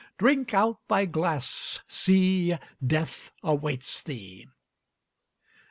'Drink out thy glass, see, Death awaits thee.'